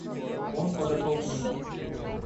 Он подошел к нему.